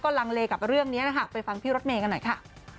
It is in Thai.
ลังเลกับเรื่องนี้นะคะไปฟังพี่รถเมย์กันหน่อยค่ะ